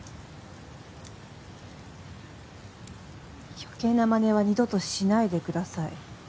余計なまねは二度としないでください